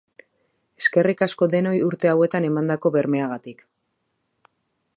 Eskerrik asko denoi urte hauetan emandako bermeagatik.